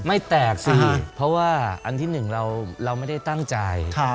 ไม่แตกสิเพราะว่าอันที่หนึ่งเราไม่ได้ตั้งใจ